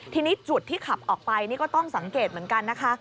ทีนี้จุดที่ขับออกไปนี่ก็ต้องสังเกตเหมือนกันนะคะ